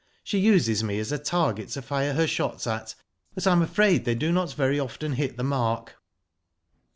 She uses me as a target to fire her shots at, but I am afraid they do not very often hit the mark."